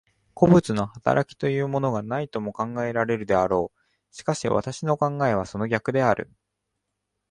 個物の働きというものがないとも考えられるであろう。しかし私の考えはその逆である。